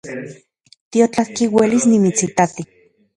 Tiotlatki uelis nimitsitati